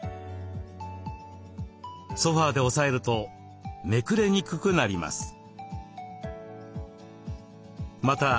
ソファーで押さえるとめくれにくくなります。